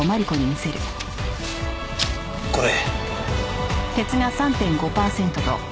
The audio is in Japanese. これ。